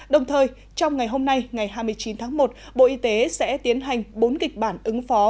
đồng thời trong ngày hôm nay ngày hai mươi chín tháng một bộ y tế sẽ tiến hành bốn kịch bản ứng phó